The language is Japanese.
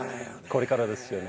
これからですよね。